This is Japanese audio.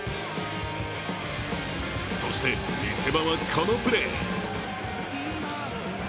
そして、見せ場はこのプレー。